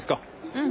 うん。